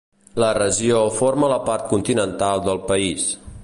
La regió forma la part continental del país.